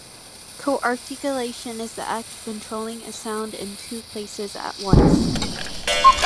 Coarticulation is the act of controlling a sound in two places at once.